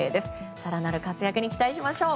更なる活躍に期待しましょう。